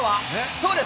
そうです。